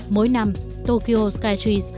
mỗi năm tokyo skytree